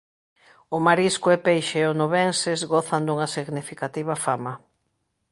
O marisco e peixe onubenses gozan dunha significativa fama.